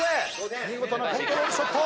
見事なコントロールショット。